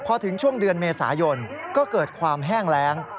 พอถึงช่วงเดือนเมษายนก็เกิดความแห้งแรง